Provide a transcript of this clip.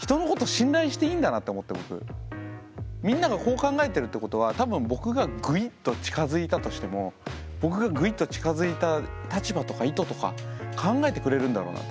みんながこう考えてるってことは多分僕がグイッと近づいたとしても僕がグイッと近づいた立場とか意図とか考えてくれるんだろうなと。